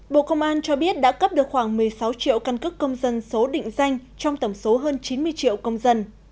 bộ công an cho biết đã cấp được khoảng một mươi sáu triệu căn cước công dân số định danh trong tổng số hơn chín mươi triệu công dân